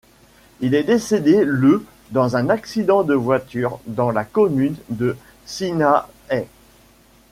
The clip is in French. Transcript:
Il est décédé le dans un accident de voiture dans la commune de Sinaai.